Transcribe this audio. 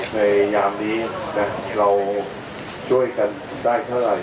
ในยามนี้เราช่วยกันได้เท่าไหร่